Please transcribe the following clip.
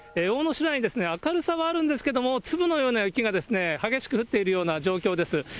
大野市内ですね、明るさはあるんですけれども、粒のような雪が激しく降っているような状況です。